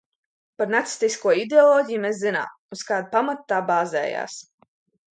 Par nacistisko ideoloģiju mēs zinām, uz kāda pamata tā bāzējās.